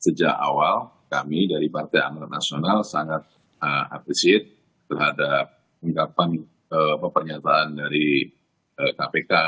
sejak awal kami dari partai amanat nasional sangat appreciate terhadap ungkapan pernyataan dari kpk